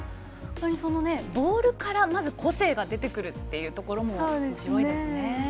ボールからまず個性が出てくるというところもおもしろいですね。